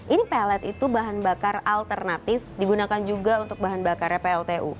ini pellet itu bahan bakar alternatif digunakan juga untuk bahan bakarnya pltu